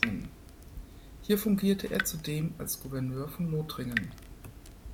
Hier fungierte er zudem als Gouverneur von Lothringen.